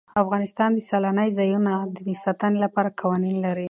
افغانستان د سیلانی ځایونه د ساتنې لپاره قوانین لري.